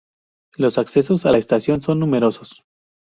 Los accesos a la estación son numerosos.